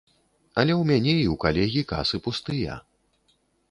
Але ў мяне і ў калегі касы пустыя.